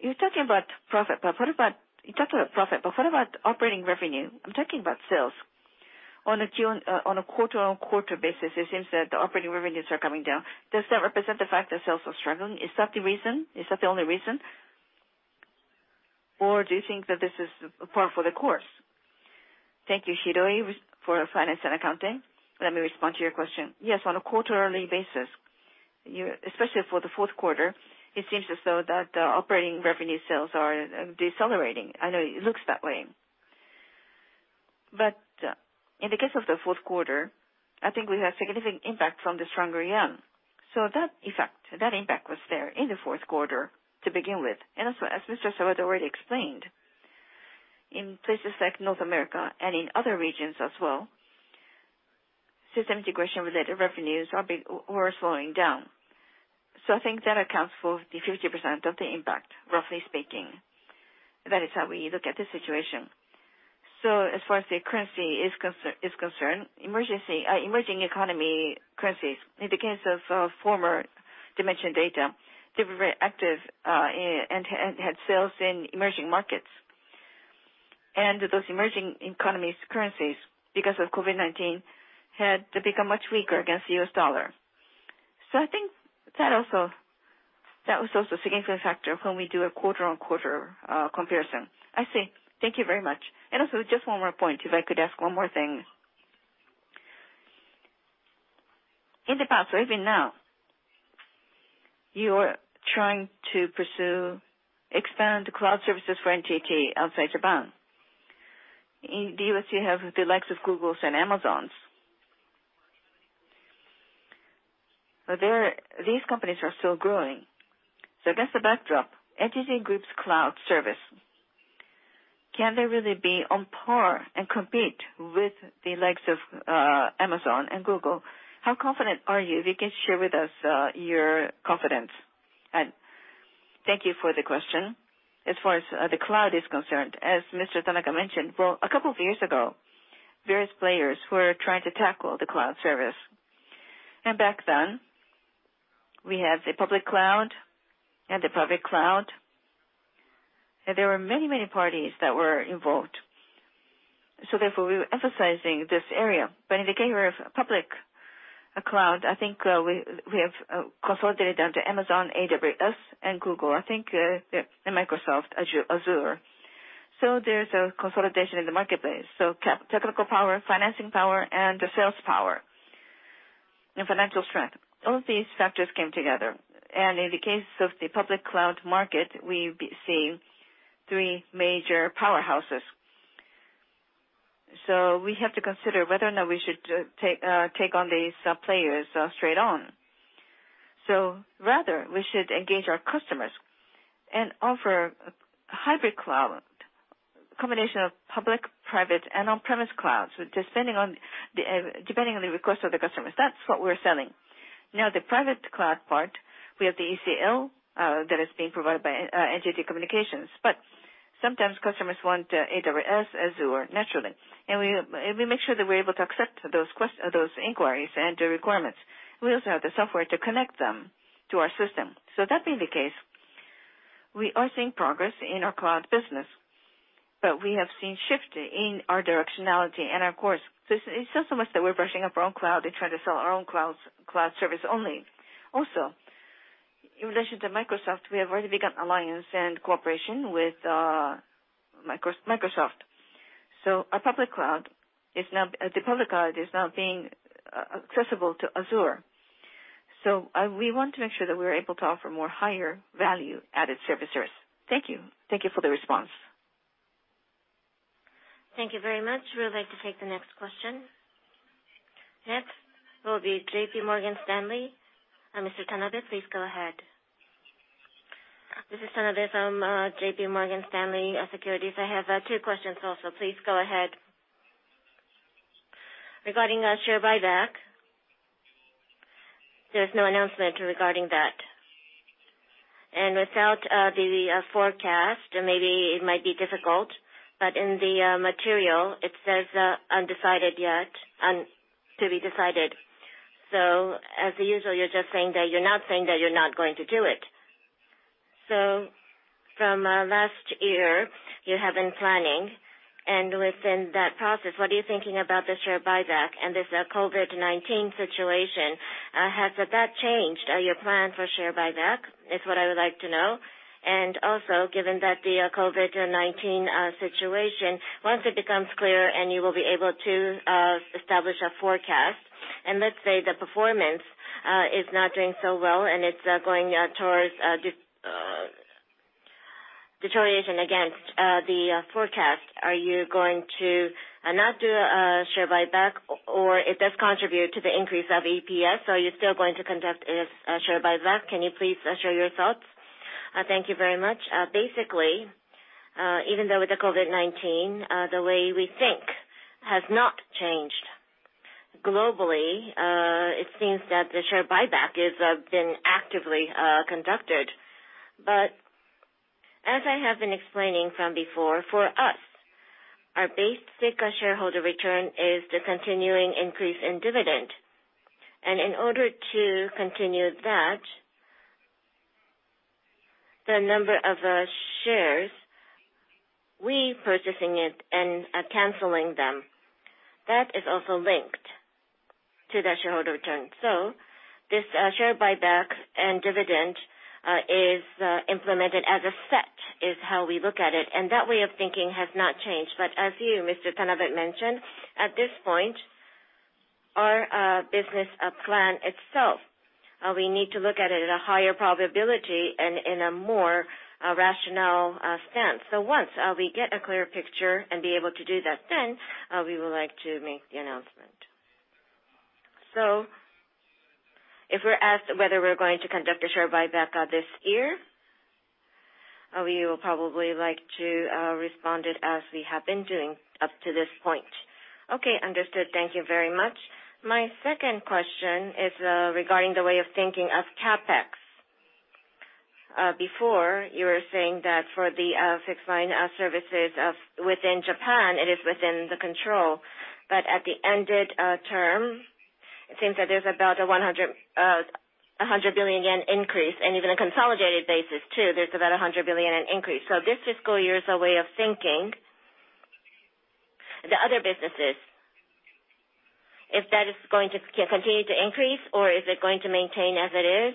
You're talking about profit, but what about operating revenue? I'm talking about sales. On a quarter-on-quarter basis, it seems that the operating revenues are coming down. Does that represent the fact that sales are struggling? Is that the reason? Is that the only reason? Do you think that this is par for the course? Thank you, Hiroi, for finance and accounting. Let me respond to your question. Yes, on a quarterly basis, especially for the fourth quarter, it seems as though that the operating revenue sales are decelerating. I know it looks that way. In the case of the fourth quarter, I think we have significant impact from the stronger yen. That impact was there in the fourth quarter to begin with. As Mr. Sawada already explained, in places like North America and in other regions as well, system integration-related revenues were slowing down. I think that accounts for the 50% of the impact, roughly speaking. That is how we look at the situation. As far as the currency is concerned, emerging economy currencies, in the case of former Dimension Data, they were very active and had sales in emerging markets. Those emerging economies currencies, because of COVID-19, had become much weaker against the U.S. dollar. I think that was also a significant factor when we do a quarter-over-quarter comparison. I see. Thank you very much. Also, just one more point, if I could ask one more thing. In the past, or even now, you are trying to pursue expand cloud services for NTT outside Japan. In the U.S., you have the likes of Google and Amazon. These companies are still growing. Against the backdrop, NTT Group's cloud service, can they really be on par and compete with the likes of Amazon and Google? How confident are you? If you can share with us your confidence. Thank you for the question. As far as the cloud is concerned, as Mr. Tanaka mentioned, a couple of years ago, various players were trying to tackle the cloud service. Back then, we had the public cloud. There were many parties that were involved. Therefore, we were emphasizing this area. In the case of public cloud, I think we have consolidated down to Amazon AWS and Google, I think, and Microsoft Azure. There's a consolidation in the marketplace. Technical power, financing power, and sales power, and financial strength. All these factors came together. In the case of the public cloud market, we see three major powerhouses. We have to consider whether or not we should take on these players straight on. Rather, we should engage our customers and offer a hybrid cloud, a combination of public, private, and on-premise clouds, depending on the request of the customers. That's what we're selling. The private cloud part, we have the ECL that is being provided by NTT Communications. Sometimes customers want AWS, Azure, naturally. We make sure that we're able to accept those inquiries and the requirements. We also have the software to connect them to our system. That being the case, we are seeing progress in our cloud business, but we have seen shift in our directionality and our course. It's not so much that we're brushing up our own cloud and trying to sell our own cloud service only. Also, in relation to Microsoft, we have already begun alliance and cooperation with Microsoft. The public cloud is now being accessible to Azure. We want to make sure that we're able to offer more higher value-added services. Thank you. Thank you for the response. Thank you very much. We would like to take the next question. Next will be J.P. Morgan Securities. Mr. Tanabe, please go ahead. This is Tanabe from J.P. Morgan Securities. I have two questions also. Please go ahead. Regarding share buyback, there's no announcement regarding that. Without the forecast, maybe it might be difficult, but in the material, it says to be decided. As usual, you're just saying that you're not saying that you're not going to do it. From last year, you have been planning, and within that process, what are you thinking about the share buyback and this COVID-19 situation? Has that changed your plan for share buyback, is what I would like to know. Also, given that the COVID-19 situation, once it becomes clear and you will be able to establish a forecast, and let's say the performance is not doing so well and it's going towards deterioration against the forecast, are you going to not do a share buyback? It does contribute to the increase of EPS, so are you still going to conduct a share buyback? Can you please share your thoughts? Thank you very much. Basically, even though with the COVID-19, the way we think has not changed. Globally, it seems that the share buyback has been actively conducted. As I have been explaining from before, for us, our basic shareholder return is the continuing increase in dividend. In order to continue that. The number of shares we purchasing it and are canceling them. That is also linked to the shareholder return. This share buyback and dividend is implemented as a set, is how we look at it, and that way of thinking has not changed. But as you, Mr. Tanabe, mentioned, at this point, our business plan itself, we need to look at it at a higher probability and in a more rational sense. Once we get a clear picture and be able to do that, then we would like to make the announcement. If we're asked whether we're going to conduct a share buyback this year, we will probably like to respond it as we have been doing up to this point. Okay, understood. Thank you very much. My second question is regarding the way of thinking of CapEx. You were saying that for the fixed-line services within Japan, it is within the control. At the ended term, it seems that there's about a 100 billion yen increase and even a consolidated basis too. There's about 100 billion yen increase. This fiscal year's way of thinking, the other businesses, if that is going to continue to increase or is it going to maintain as it is?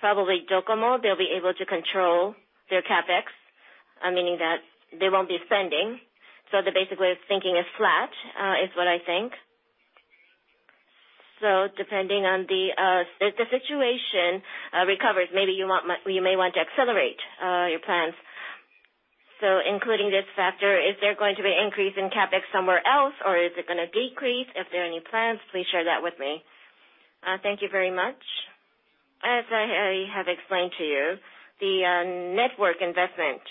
Probably DOCOMO, they'll be able to control their CapEx, meaning that they won't be spending. Basically, the way of thinking is flat, is what I think. Depending on if the situation recovers, maybe you may want to accelerate your plans. Including this factor, is there going to be an increase in CapEx somewhere else, or is it going to decrease? If there are any plans, please share that with me. Thank you very much. As I have explained to you, the network investment,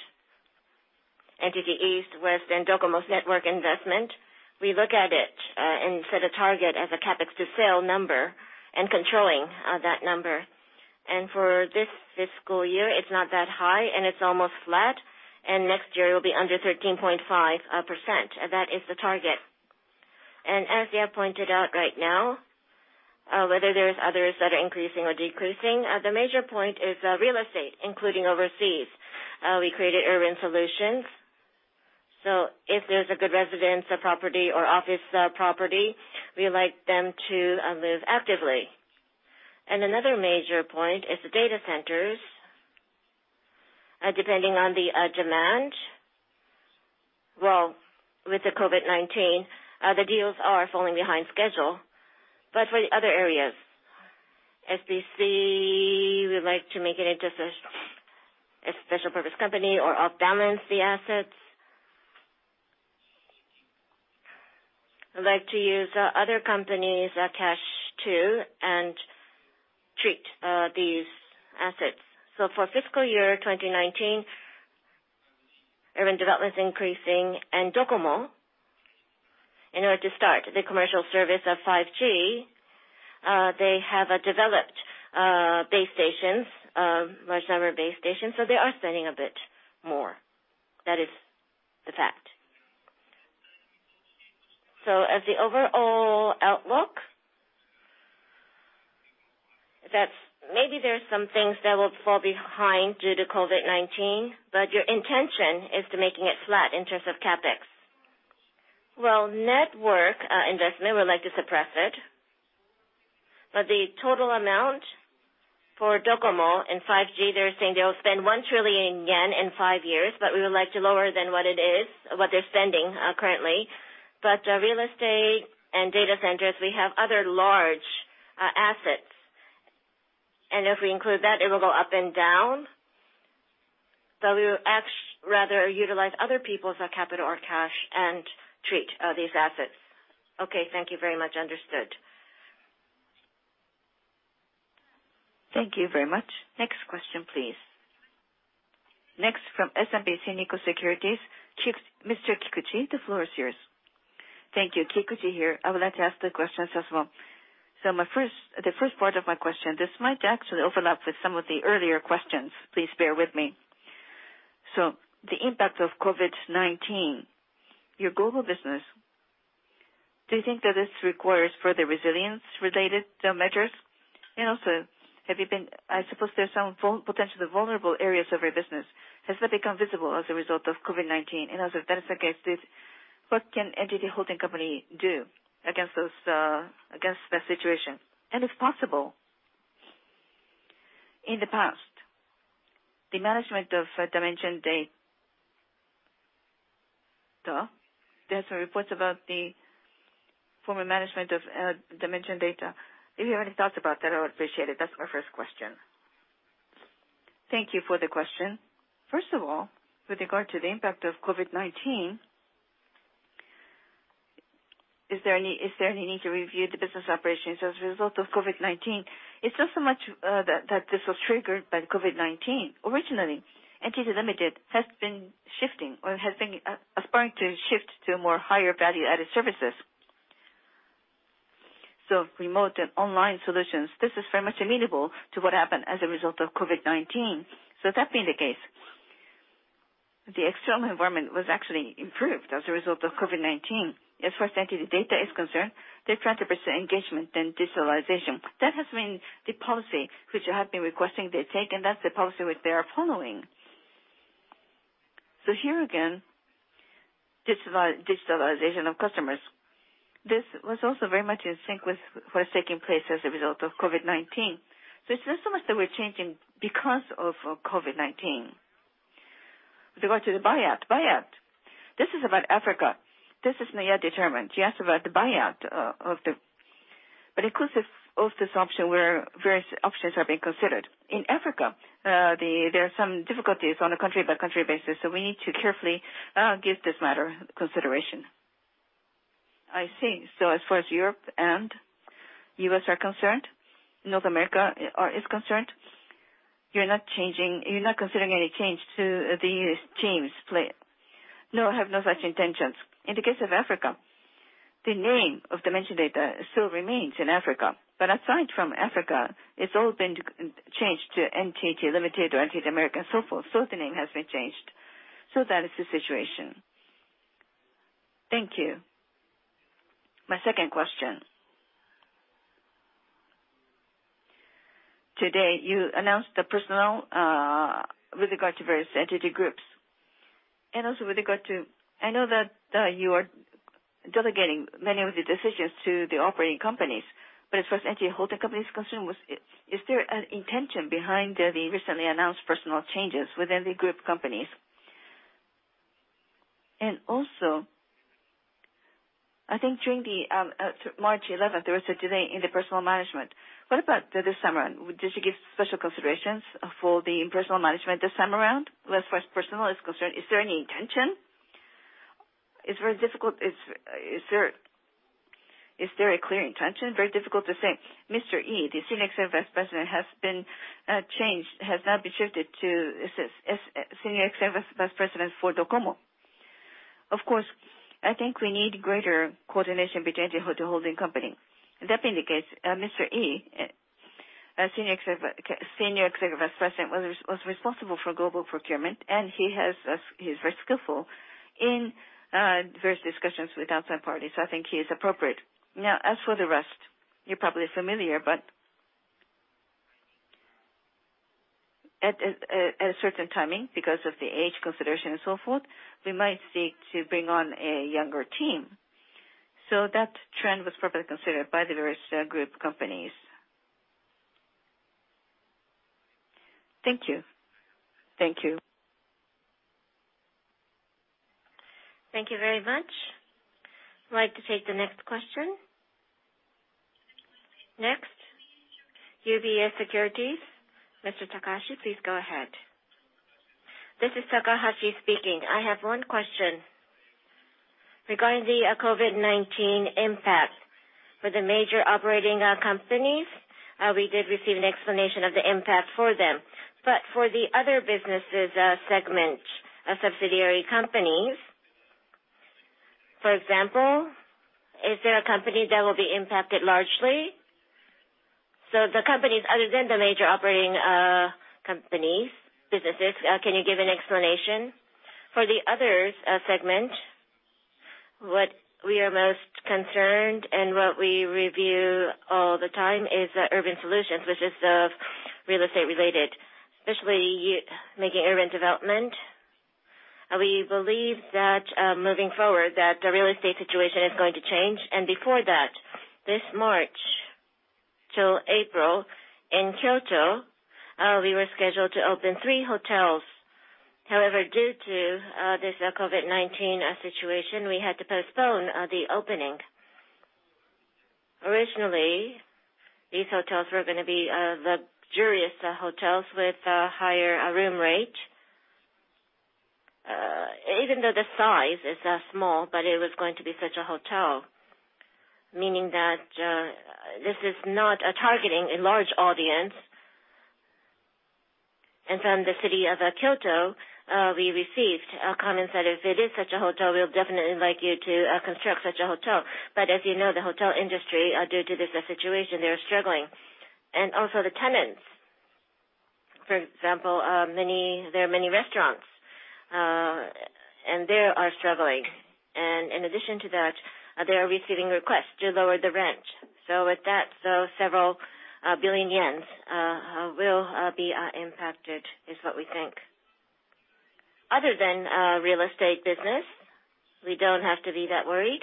NTT East, West, and NTT DOCOMO's network investment, we look at it and set a target as a CapEx to sale number and controlling that number. For this fiscal year, it's not that high, and it's almost flat, and next year it will be under 13.5%. That is the target. As you have pointed out right now, whether there's others that are increasing or decreasing, the major point is real estate, including overseas. We created NTT Urban Solutions. If there's a good residence or property or office property, we like them to move actively. Another major point is the data centers. Depending on the demand, well, with the COVID-19, the deals are falling behind schedule. For the other areas, SPC, we like to make it into a special purpose company or off-balance the assets. I'd like to use other companies attached to and treat these assets. For fiscal year 2019, urban development is increasing and NTT DOCOMO, in order to start the commercial service of 5G, they have developed base stations, large number of base stations. They are spending a bit more. That is the fact. As the overall outlook, maybe there's some things that will fall behind due to COVID-19, but your intention is to making it flat in terms of CapEx. Network investment, we would like to suppress it, but the total amount for NTT DOCOMO and 5G, they're saying they'll spend 1 trillion yen in five years, but we would like to lower than what it is, what they're spending currently. Real estate and data centers, we have other large assets, and if we include that, it will go up and down. We would rather utilize other people's capital or cash and treat these assets. Okay. Thank you very much. Understood. Thank you very much. Next question, please. Next from SMBC Nikko Securities, Mr. Kikuchi, the floor is yours. Thank you. Kikuchi here. I would like to ask the questions as well. The first part of my question, this might actually overlap with some of the earlier questions. Please bear with me. The impact of COVID-19, your global business, do you think that this requires further resilience-related measures? I suppose there's some potentially vulnerable areas of your business. Has that become visible as a result of COVID-19? If that is the case, what can NTT Holding Company do against that situation? If possible, in the past, there's reports about the former management of Dimension Data. If you have any thoughts about that, I would appreciate it. That's my first question. Thank you for the question. First of all, with regard to the impact of COVID-19, is there any need to review the business operations as a result of COVID-19? It's not so much that this was triggered by COVID-19. Originally, NTT Ltd. has been shifting, or has been aspiring to shift to more higher value-added services. Remote and online solutions, this is very much amenable to what happened as a result of COVID-19. That being the case The external environment was actually improved as a result of COVID-19. As far as NTT DATA is concerned, they prioritize engagement and digitalization. That has been the policy which I have been requesting they take, and that's the policy which they are following. Here again, digitalization of customers. This was also very much in sync with what is taking place as a result of COVID-19. It's not so much that we're changing because of COVID-19. With regard to the buyout, this is about Africa. This is not yet determined. She asked about the buyout of this option where various options are being considered. In Africa, there are some difficulties on a country-by-country basis, we need to carefully give this matter consideration. I see. As far as Europe and U.S. are concerned, North America is concerned, you're not considering any change to the teams split? No, I have no such intentions. In the case of Africa, the name of Dimension Data still remains in Africa. Aside from Africa, it's all been changed to NTT Limited or NTT America and so forth. The name has been changed. That is the situation. Thank you. My second question. Today, you announced the personnel with regard to various NTT groups. Also, I know that you are delegating many of the decisions to the operating companies. As far as NTT holding company is concerned, is there an intention behind the recently announced personnel changes within the Group companies? Also, I think during March 11th, there was a delay in the personnel management. What about this time around? Did you give special considerations for the personnel management this time around, as far as personnel is concerned? Is there any intention? It is very difficult. Is there a clear intention? Very difficult to say. Mr. Ii, the Senior Executive Vice President, has now been shifted to Senior Executive Vice President for DOCOMO. Of course, I think we need greater coordination between NTT holding company. That being the case, Mr. Ii, Senior Executive Vice President, was responsible for global procurement, and he is very skillful in various discussions with outside parties. I think he is appropriate. As for the rest, you are probably familiar, but at a certain timing, because of the age consideration and so forth, we might seek to bring on a younger team. That trend was properly considered by the various group companies. Thank you. Thank you. Thank you very much. I'd like to take the next question. UBS Securities. Mr. Takahashi, please go ahead. This is Takahashi speaking. I have one question. Regarding the COVID-19 impact for the major operating companies, we did receive an explanation of the impact for them. For the other businesses segment, subsidiary companies, for example, is there a company that will be impacted largely? The companies other than the major operating companies, businesses, can you give an explanation? For the others segment, what we are most concerned and what we review all the time is NTT Urban Solutions, which is real estate related, especially making urban development. We believe that moving forward that the real estate situation is going to change. Before that, this March till April in Kyoto, we were scheduled to open three hotels. However, due to this COVID-19 situation, we had to postpone the opening. Originally, these hotels were going to be luxurious hotels with a higher room rate. Even though the size is small, but it was going to be such a hotel, meaning that this is not targeting a large audience. From the city of Kyoto, we received comments that if it is such a hotel, we'll definitely like you to construct such a hotel. As you know, the hotel industry, due to this situation, they are struggling. Also the tenants, for example, there are many restaurants, and they are struggling. In addition to that, they are receiving requests to lower the rent. With that, several billion JPY will be impacted, is what we think. Other than real estate business, we don't have to be that worried.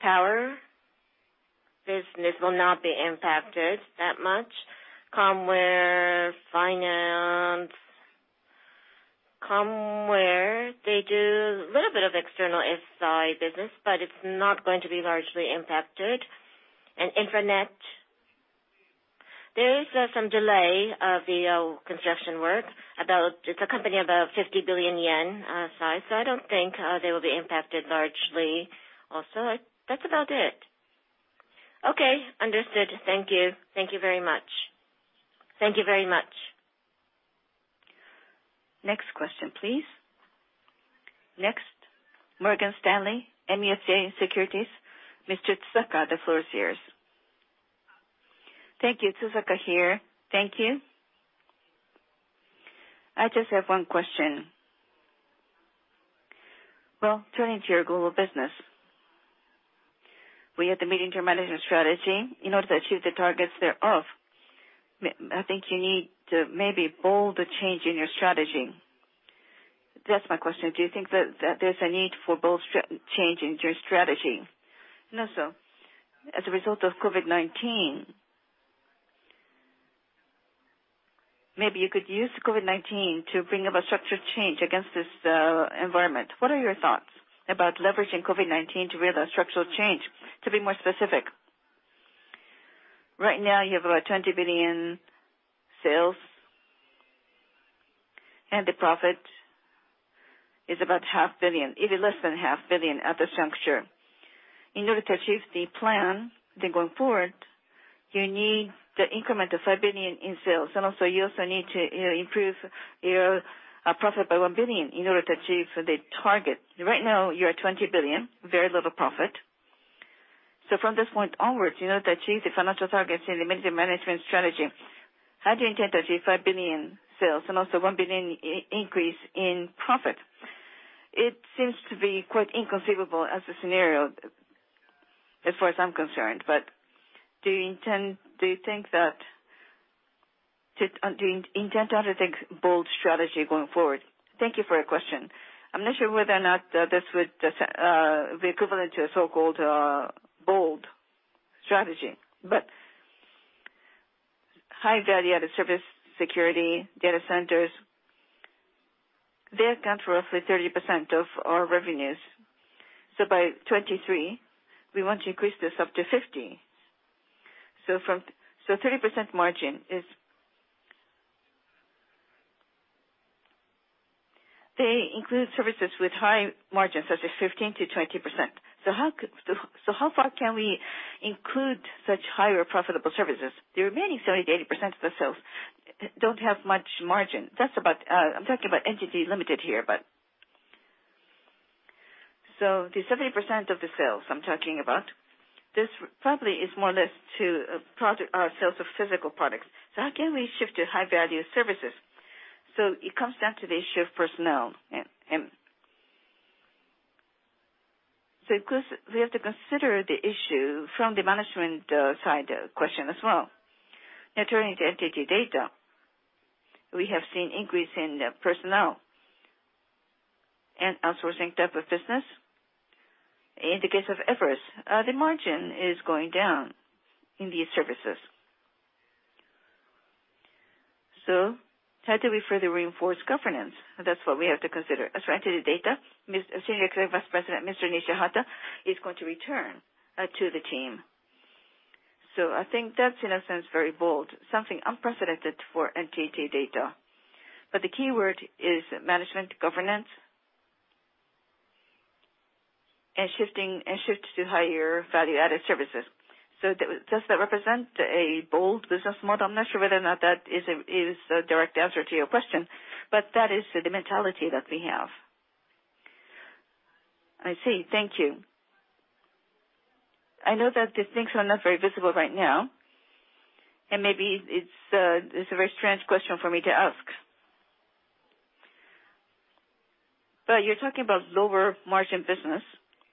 Power business will not be impacted that much. Comware finance. Comware, they do a little bit of external SI business, but it's not going to be largely impacted. InfraNet, there is some delay of the construction work. It's a company about 50 billion yen size, so I don't think they will be impacted largely. Also, that's about it. Okay, understood. Thank you. Thank you very much. Thank you very much. Next question, please. Next, Morgan Stanley MUFG Securities, Mr. Tsusaka, the floor is yours. Thank you. Tsusaka here. Thank you. I just have one question. Turning to your global business, we had the mid-term management strategy. In order to achieve the targets thereof, I think you need to maybe bold the change in your strategy. That's my question. Do you think that there's a need for bold change in your strategy? As a result of COVID-19, maybe you could use COVID-19 to bring about structural change against this environment. What are your thoughts about leveraging COVID-19 to bring about structural change? To be more specific, right now you have about 20 billion sales, and the profit is about JPY half billion. It is less than JPY half billion at this juncture. In order to achieve the plan then going forward, you need to increment to 5 billion in sales. You also need to improve your profit by 1 billion in order to achieve the target. Right now, you're at 20 billion, very little profit. From this point onwards, in order to achieve the financial targets in the mid-term management strategy, how do you intend to achieve 5 billion sales and also 1 billion increase in profit? It seems to be quite inconceivable as a scenario, as far as I'm concerned. Do you intend to undertake bold strategy going forward? Thank you for your question. I'm not sure whether or not this would be equivalent to a so-called bold strategy, but high value-added service security data centers, they account for roughly 30% of our revenues. By 2023, we want to increase this up to 50%. They include services with high margins, such as 15%-20%. How far can we include such higher profitable services? The remaining 70%-80% of the sales don't have much margin. I'm talking about NTT Ltd. here. The 70% of the sales I'm talking about, this probably is more or less to sales of physical products. How can we shift to high-value services? It comes down to the issue of personnel. Of course, we have to consider the issue from the management side question as well. Now, turning to NTT DATA, we have seen increase in personnel and outsourcing type of business. In the case of Everis, the margin is going down in these services. How do we further reinforce governance? That's what we have to consider. As for NTT DATA, Senior Executive Vice President, Mr. Nishihata, is going to return to the team. I think that's, in a sense, very bold, something unprecedented for NTT DATA. The key word is management, governance, and shift to higher value-added services. Does that represent a bold business model? I'm not sure whether or not that is a direct answer to your question, but that is the mentality that we have. I see. Thank you. I know that these things are not very visible right now, and maybe it's a very strange question for me to ask. You're talking about lower margin business.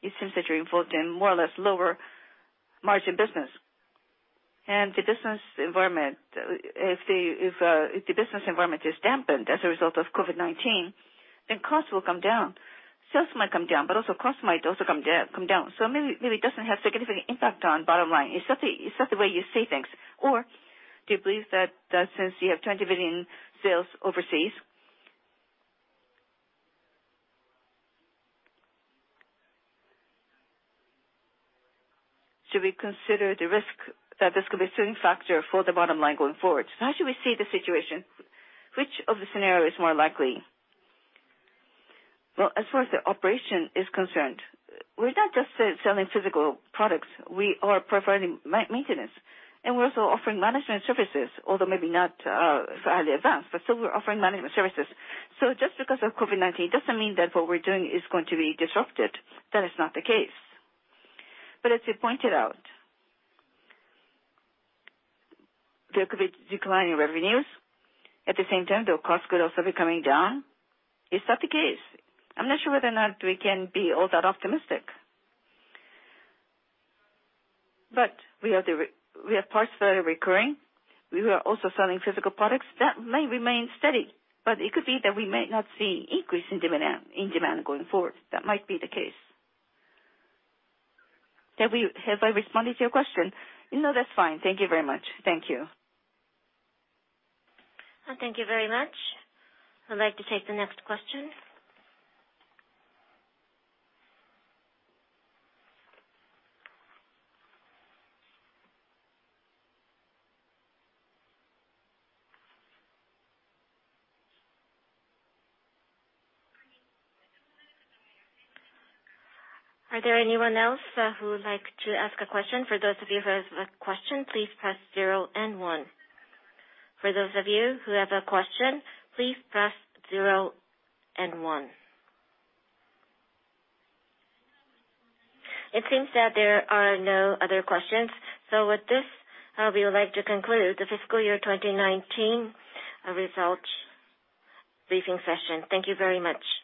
It seems that you're involved in more or less lower margin business. If the business environment is dampened as a result of COVID-19, then costs will come down. Sales might come down, but also costs might also come down. Maybe it doesn't have significant impact on bottom line. Is that the way you see things? Do you believe that since you have 20 billion sales overseas, should we consider the risk that this could be a ceiling factor for the bottom line going forward? How should we see the situation? Which of the scenario is more likely? As far as the operation is concerned, we're not just selling physical products. We are providing maintenance, and we're also offering management services, although maybe not for early advance, but still we're offering management services. Just because of COVID-19, it doesn't mean that what we're doing is going to be disrupted. That is not the case. As you pointed out, there could be decline in revenues. At the same time, though, costs could also be coming down. Is that the case? I'm not sure whether or not we can be all that optimistic. We have parts that are recurring. We are also selling physical products. That may remain steady, but it could be that we may not see increase in demand going forward. That might be the case. Have I responded to your question? No, that's fine. Thank you very much. Thank you. Thank you very much. I'd like to take the next question. Are there anyone else who would like to ask a question? For those of you who have a question, please press zero and one. For those of you who have a question, please press zero and one. It seems that there are no other questions. With this, we would like to conclude the fiscal year 2019 results briefing session. Thank you very much.